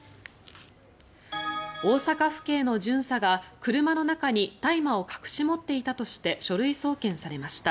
大阪府警の巡査が車の中に大麻を隠し持っていたとして書類送検されました。